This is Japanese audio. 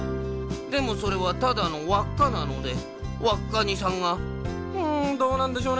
でもそれはただのわっかなのでわっカニさんが「うんどうなんでしょうね。